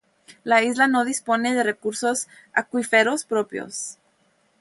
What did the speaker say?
La isla no dispone de recursos acuíferos propios.